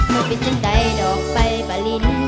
ไม่เป็นจังได้ดอกไปบ่ลิ้น